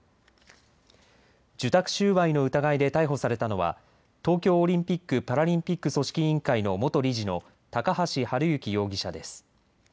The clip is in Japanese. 受託収賄の疑いで逮捕されたのは東京オリンピック・パラリンピック組織委員会の元理事の高橋治之容疑者です。